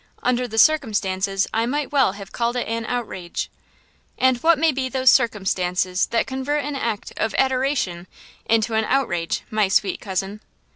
Under the circumstances I might well have called it an outrage!" "And what may be those circumstances that convert an act of–adoration–into an outrage, my sweet cousin?"